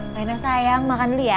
rena sayang makan dulu ya